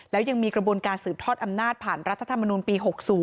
แล้วยังมีกระบวนการสืบทอดอำนาจผ่านรัฐธรรมนุนปี๖๐